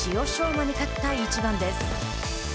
馬に勝った一番です。